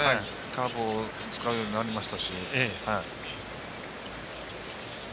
カーブを使うようになりましたし。